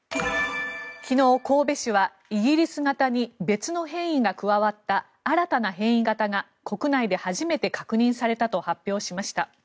昨日、神戸市はイギリス型に別の変異が加わった新たな変異型が国内で初めて確認されたと発表しました。